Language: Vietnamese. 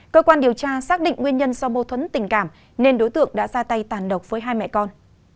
cơ quan điều tra xác định nguyên nhân do mâu thuẫn tình cảm nên đối tượng đã ra tay tàn độc với hai mẹ con